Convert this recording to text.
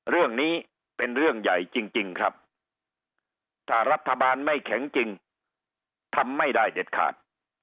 เรื่องนี้เป็นเรื่องใหญ่จริงครับถ้ารัฐบาลไม่แข็งจริงทำไม่ได้เด็ดขาด